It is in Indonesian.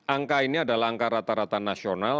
angka ini adalah angka rata rata nasional